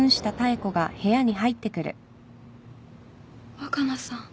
・若菜さん。